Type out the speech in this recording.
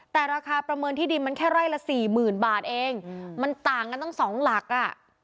แต่ราคาประเมินที่ดินมันแค่ไร่ละสี่หมื่นบาทเองมันต่างกันตั้งสองหลักอ่ะ